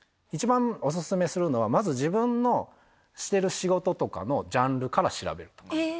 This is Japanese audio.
一番お勧めするのは、まず自分のしてる仕事とかのジャンルから調べるとか。